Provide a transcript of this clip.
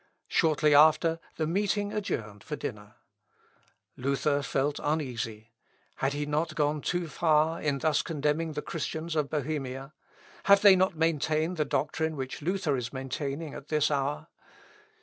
Shortly after, the meeting adjourned for dinner. Luther felt uneasy. Had he not gone too far in thus condemning the Christians of Bohemia? Have they not maintained the doctrine which Luther is maintaining at this hour?